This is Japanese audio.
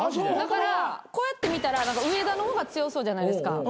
だからこうやって見たら植田の方が強そうじゃないですか。